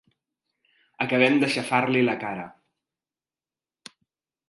Acabem d'aixafar-li la cara!